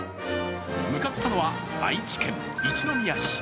向かったのは愛知県一宮市。